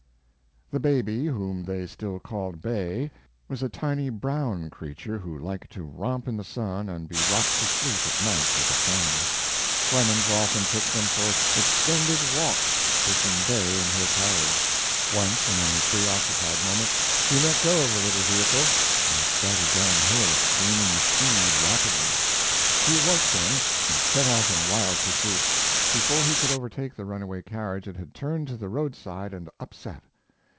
The baby, whom they still called "Bay," was a tiny, brown creature who liked to romp in the sun and be rocked to sleep at night with a song. Clemens often took them for extended' walks, pushing Bay in her carriage. Once, in a preoccupied moment, he let go of the little vehicle and it started downhill, gaining speed rapidly. He awoke then, and set off in wild pursuit. Before he could overtake the runaway carriage it had turned to the roadside and upset.